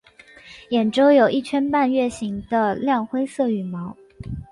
眼周有一圈半月形的亮灰色羽毛。